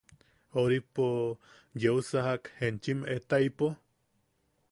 –... Oripo... ¿Yeu sajak jume enchim etaipo?